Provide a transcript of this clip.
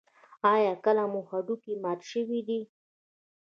ایا کله مو هډوکی مات شوی دی؟